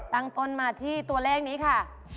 ตั้งต้นมาที่ตัวเลขนี้ค่ะ